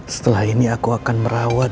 setelah ini aku akan merawat